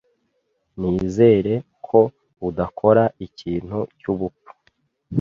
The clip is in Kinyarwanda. Nizere ko udakora ikintu cyubupfu.